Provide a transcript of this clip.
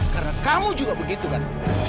karena kamu juga begitu kan